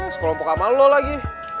sekolah pokok sama lo lagi